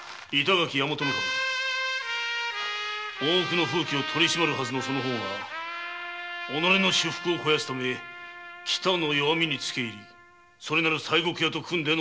守大奥の風紀を取り締まる役のその方が己の私腹を肥やすため喜多の弱みにつけ入りそこなる西国屋と手を組んでの悪逆非道。